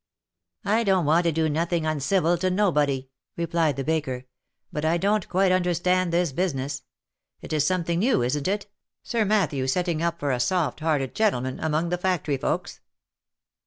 "I don't want to do nothing uncivil to nobody," replied the baker, " but I don't quite understand this business. It is some thing new, isn't it, Sir Matthew setting up for a soft hearted gentle man, among the factory folks